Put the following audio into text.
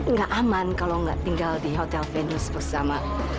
nggak aman kalau nggak tinggal di hotel venus bersama